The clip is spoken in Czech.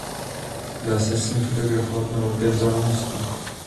Dá se s ní fotografovat na velké vzdálenosti.